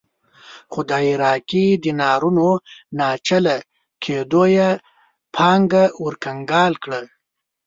خو د عراقي دینارونو ناچله کېدو یې پانګه ورکنګال کړه.